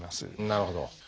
なるほど。